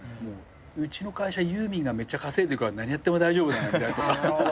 うちの会社ユーミンがめっちゃ稼いでるから何やっても大丈夫だよみたいのとか。